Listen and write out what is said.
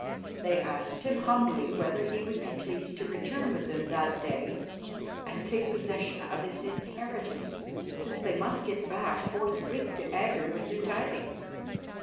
They asked him humbly whether he would be pleased to return with them that day and take possession of his inheritance, since they must get back forthwith to Agger with their tidings.